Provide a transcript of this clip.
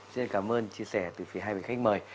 xin cảm ơn chia sẻ từ phía hai vị khách mời